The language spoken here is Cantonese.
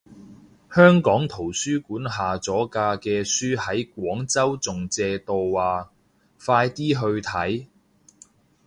香港圖書館下咗架啲書喺廣州仲借到啊，快啲去睇